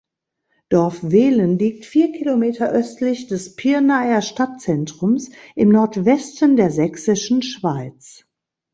Dorf Wehlen liegt vier Kilometer östlich des Pirnaer Stadtzentrums im Nordwesten der Sächsischen Schweiz.